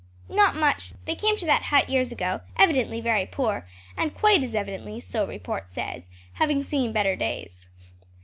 "Not much; they came to that hut years ago, evidently very poor, and quite as evidently so report says having seen better days.